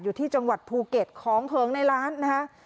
อยู่ที่จังหวัดภูเก็ตของเหิงในร้านนะคะ